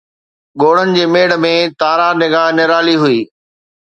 ڳوڙهن جي ميڙ ۾، تارا نگاه نرالي هئي